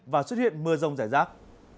và xuất hiện mưa rông giải rác